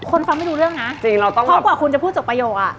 ฟังไม่รู้เรื่องนะเพราะกว่าคุณจะพูดจบประโยคอ่ะ